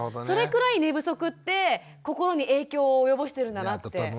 それくらい寝不足って心に影響を及ぼしてるんだなって。